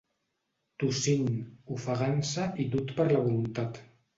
Tossint, ofegant-se i dut per la voluntat